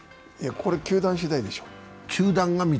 これ球団しだいでしょう。